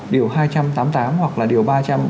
điều hai trăm tám mươi tám hoặc là điều ba trăm ba mươi một